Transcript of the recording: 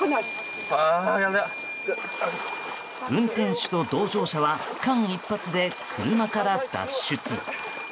運転手と同乗者は間一髪で車から脱出。